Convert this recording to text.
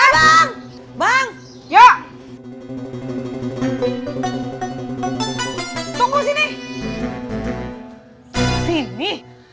bang bang ya tunggu sini sini